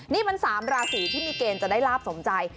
นี่มัน๓ราศีที่มีเกณฑ์จะได้ลาบสมใจ